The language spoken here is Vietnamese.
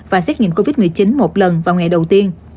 và xét nghiệm covid một mươi chín một lần vào ngày đầu tiên